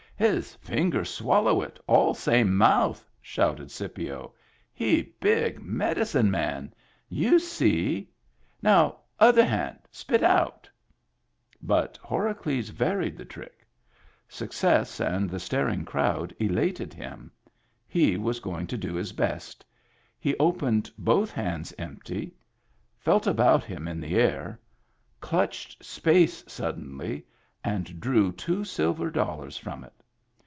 " His fingers swallow it, all same mouth!" shouted Scipio. "He big medicine man. You see. Now other hand spit out" But Horacles varied the trick. Success and the star ing crowd elated him; he was going to do his best. He opened both hands empty, felt about him in the air, clutched space suddenly, and drew two silver dollars from it.